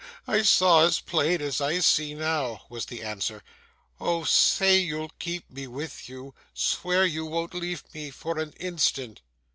I saw as plain as I see now,' was the answer. 'Oh! say you'll keep me with you. Swear you won't leave me for an instant!